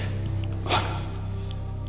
はい。